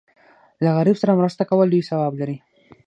له غریب سره مرسته کول لوی ثواب لري.